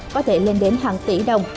có thể lên đến hàng tỷ đồng